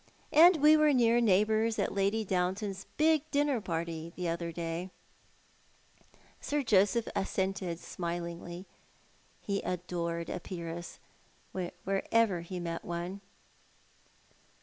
Aud we were near neigh bours at Lady Downton's big dinner party the other day." Sir Joseph assented smilingly. He adored a peeress, wherever he met one.